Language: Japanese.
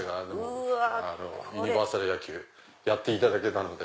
ユニバーサル野球やっていただけたので。